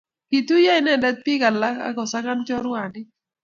kituye inende biik alak akusakan chorwandit